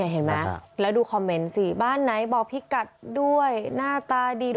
เห็นไหมแล้วดูคอมเมนต์สิบ้านไหนบอกพี่กัดด้วยหน้าตาดีด้วย